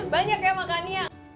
banyak ya makannya